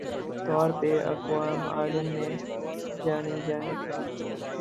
طور پہ اقوام عالم میں جانی جائیں